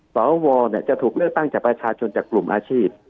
สวจะถูกเลือกตั้งจากประชาชนจากกลุ่มอาชีพ